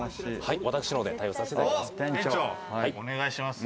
私のほうで対応させていただきます。